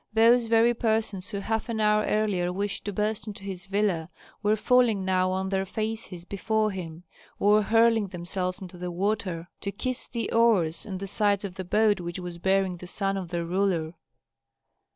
Those very persons who half an hour earlier wished to burst into his villa were falling now on their faces before him, or hurling themselves into the water to kiss the oars and the sides of the boat which was bearing the son of their ruler.